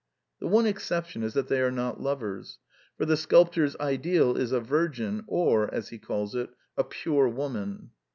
The one exception is that they are not lovers ; for the sculptor's ideal is a virgin, or, as he calls it, a pure woman.